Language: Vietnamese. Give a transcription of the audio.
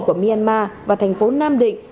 của myanmar và thành phố nam định